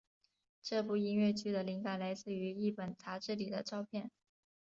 这部音乐剧的灵感来自于一本杂志里的照片。